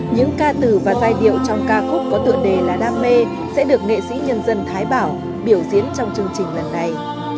những ca từ và giai điệu trong ca khúc có tựa đề là đam mê sẽ được nghệ sĩ nhân dân thái bảo biểu diễn trong chương trình lần này